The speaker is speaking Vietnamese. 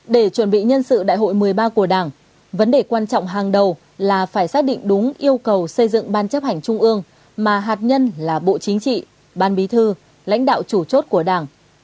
để chuẩn bị nhân sự đại hội một mươi ba của đảng vấn đề quan trọng hàng đầu là phải xác định đúng yêu cầu xây dựng ban chấp hành trung ương mà hạt nhân là bộ chính trị ban bí thư lãnh đạo chủ chốt của đảng